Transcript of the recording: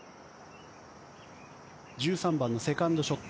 １３番のセカンドショット。